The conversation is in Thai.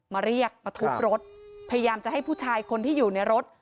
มาเรียกมาทุบรถพยายามจะให้ผู้ชายคนที่อยู่ในรถ